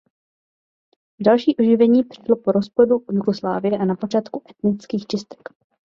Další oživení přišlo po rozpadu Jugoslávie a na počátku etnických čistek.